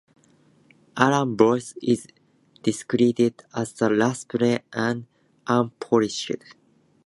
Allan's voice is described as raspy and unpolished.